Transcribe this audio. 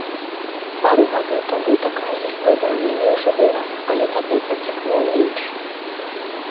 Пару гадоў таму такая гісторыя ў мяне ўжо была, але тады працякло менш.